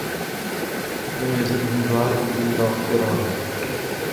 فلم يزدهم دعائي إلا فرارا